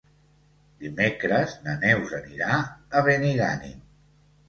Dimecres na Neus anirà a Benigànim.